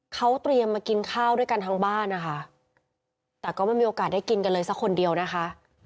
เขาเตรียมมากินข้าวด้วยกันทั้งบ้านนะคะแต่ก็ไม่มีโอกาสได้กินกันเลยสักคนเดียวนะคะ